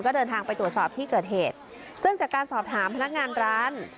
ก็เดินทางไปตรวจสอบที่เกิดเหตุซึ่งจากการสอบถามพนักงานร้าน